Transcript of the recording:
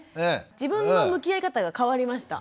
自分の向き合い方が変わりました。